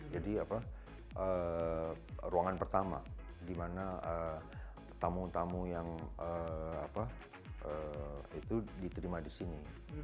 jadi ruangan pertama di mana tamu tamu yang diterima di sini